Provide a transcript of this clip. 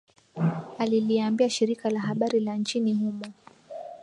aliliambia shirika la habari la nchini humo